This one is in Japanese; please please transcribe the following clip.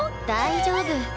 大丈夫。